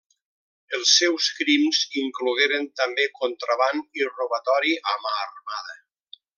Els seus crims inclogueren també contraban i robatori a mà armada.